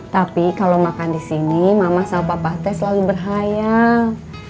tapi kalau makan di sini mama sama papa teh selalu berhayang